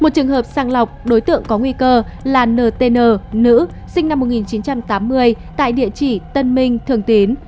một trường hợp sàng lọc đối tượng có nguy cơ là ntn nữ sinh năm một nghìn chín trăm tám mươi tại địa chỉ tân minh thường tín